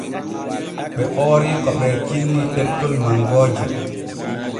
Ɓe oori ko ɓee kinni tettol mangooje.